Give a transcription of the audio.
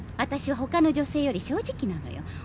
「私は他の女性より正直なのよ」